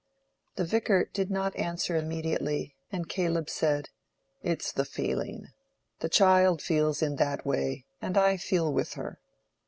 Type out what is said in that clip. The Vicar did not answer immediately, and Caleb said, "It's the feeling. The child feels in that way, and I feel with her.